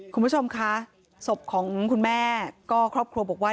คุณผู้ชมคะศพของคุณแม่ก็ครอบครัวบอกว่า